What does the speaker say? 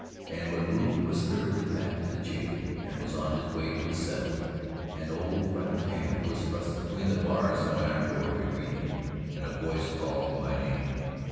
And when Rufe was spirited back to jail and was on his way to his cell, an old freckled hand was thrust between the bars of an iron door to greet him and a voice called him by name.